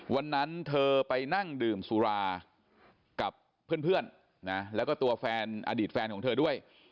วันนั้นเธอไปนั่งดื่มสุรากับเพื่อนนะแล้วก็ตัวแฟนอดีตแฟนของเธอด้วย